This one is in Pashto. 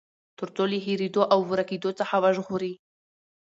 تر څو له هېريدو او ورکېدو څخه وژغوري.